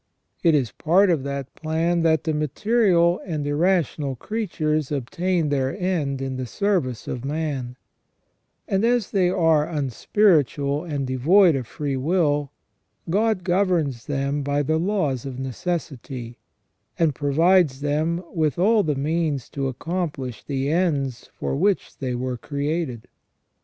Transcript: It is part of that plan that the material and irrational creatures obtain their end in the service of man ; and as they are unspiritual and devoid of freewill, God governs them by the laws of necessity, and provides them with all the means to accomplish the ends for which they were created.